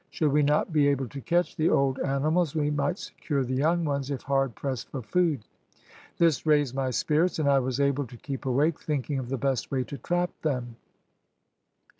Should we not be able to catch the old animals we might secure the young ones if hard pressed for food. This raised my spirits, and I was able to keep awake, thinking of the best way to trap them.